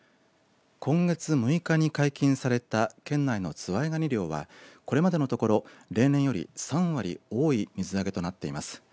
今月６日に解禁された県内のズワイガニ漁はこれまでのところ例年より３割多い水揚げとなっています。